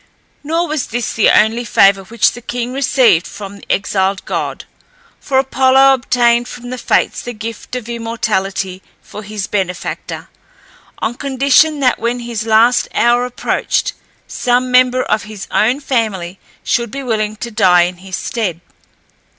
Nor was this the only favour which the king received from the exiled god, for Apollo obtained from the Fates the gift of immortality for his benefactor, on condition that when his last hour approached, some member of his own family should be willing to die in his stead.